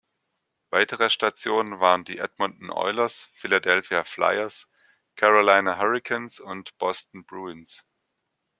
Weitere Stationen waren die Edmonton Oilers, Philadelphia Flyers, Carolina Hurricanes und Boston Bruins.